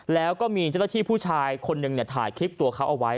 แล้วก็มีเจ้าหน้าที่ผู้ชายคนหนึ่งถ่ายคลิปตัวเขาเอาไว้